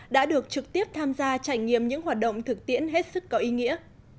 đã được trực tiếp tham gia trải nghiệm những hoạt động thực tiễn hết sức có ý nghĩa